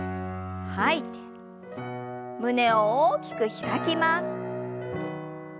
胸を大きく開きます。